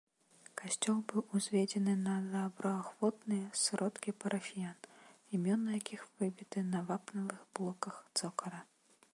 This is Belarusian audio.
Касцёл быў узведзены на добраахвотныя сродкі парафіян, імёны якіх выбіты на вапнавых блоках цокаля.